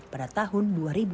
pada tahun dua ribu tiga puluh